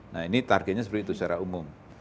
nah ini targetnya seperti itu secara umum